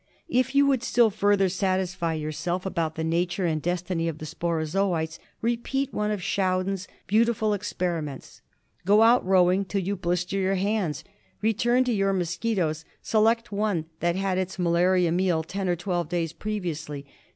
If you would still further satisfy yourself about the nature and destiny of the sporozoites, repeat one of Schaudinn's beautiful experiments. Go out rowing till you blister your hands. Return to your mosquitoes. Select one that had its malarial meal ten or twelve days previously.